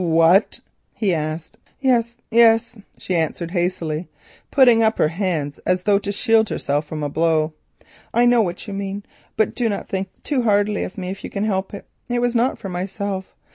"What?" he asked. "Yes, yes," she answered hastily, putting up her hand as though to shield herself from a blow. "I know what you mean; but do not think too hardly of me if you can help it. It was not for myself.